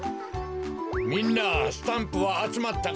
みんなスタンプはあつまったかな？